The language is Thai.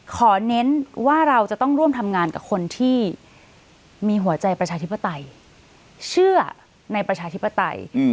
เน้นว่าเราจะต้องร่วมทำงานกับคนที่มีหัวใจประชาธิปไตยเชื่อในประชาธิปไตย